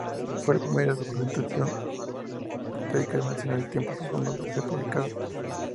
Fue la primera representación pictórica de una escena de tiempo profundo en ser publicada.